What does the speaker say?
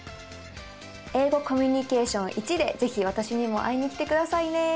「英語コミュニケーションⅠ」で是非私にも会いに来てくださいね。